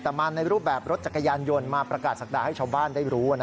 แต่มาในรูปแบบรถจักรยานยนต์มาประกาศศักดาให้ชาวบ้านได้รู้